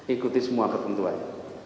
ikuti semua kepentuan